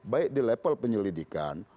baik di level penyelidikan